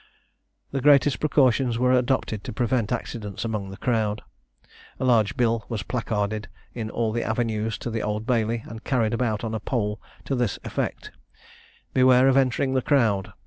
The greatest precautions were adopted to prevent accidents among the crowd. A large bill was placarded at all the avenues to the Old Bailey, and carried about on a pole, to this effect: "Beware of entering the crowd!